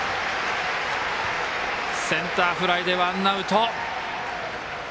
センターフライでワンアウト！